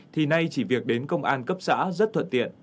thì nay chỉ việc đến công an cấp xã rất thuận tiện